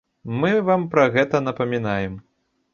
Мы вам пра гэта напамінаем.